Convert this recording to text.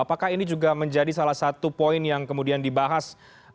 apakah ini juga menjadi salah satu poin yang kemudian dibahas